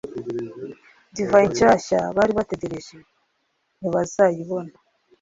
divayi nshyashya bari bategereje ntibazayibona.